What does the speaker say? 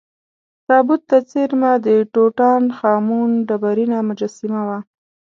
تابوت ته څېرمه د ټوټا ن خا مون ډبرینه مجسمه وه.